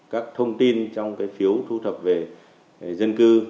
các thông tin trong cái phiếu thu thập về dân cư